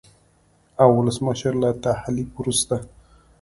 او ولسمشر له تحلیف وروسته